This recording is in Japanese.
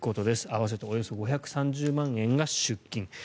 合わせておよそ５３０万円が出金。